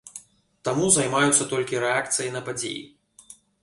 Таму займаюцца толькі рэакцыяй на падзеі.